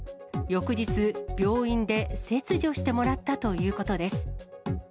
翌日、病院で切除してもらったということです。